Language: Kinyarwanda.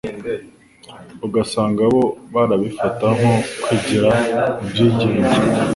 ugasanga bo barabifata nko kwigira ibyigenge